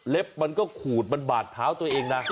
มันก็ขูดมันบาดเท้าตัวเองนะ